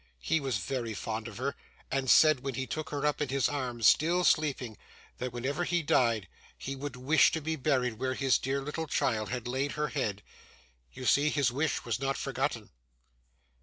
He was very fond of her, and said when he took her up in his arms, still sleeping, that whenever he died he would wish to be buried where his dear little child had laid her head. You see his wish was not forgotten.